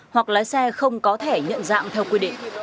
hoặc lái xe không có thẻ nhận dạng theo quy định